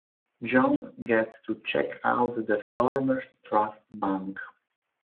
John gets to check out the Farmer's Trust Bank.